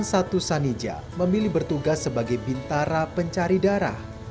satu sanija memilih bertugas sebagai bintara pencari darah